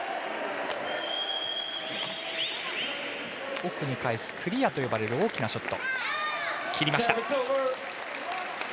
奥に返すクリアと呼ばれる大きなショット。